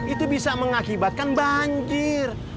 itu bisa mengakibatkan banjir